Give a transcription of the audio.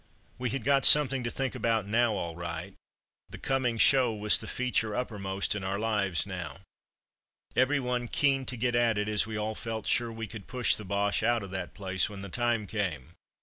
We had got something to think about now all right; the coming "show" was the feature uppermost in our lives now. Every one keen to get at it, as we all felt sure we could push the Boches out of that place when the time came.